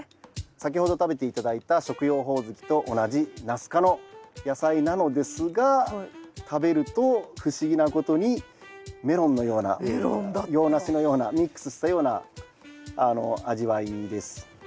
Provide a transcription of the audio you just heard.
先ほど食べて頂いた食用ホオズキと同じナス科の野菜なのですが食べると不思議なことにメロンのような洋梨のようなミックスしたような味わいです。